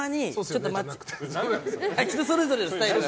人それぞれのスタイルが。